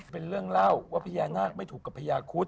เป็นเรื่องเล่าว่าพญานาคไม่ถูกกับพญาคุด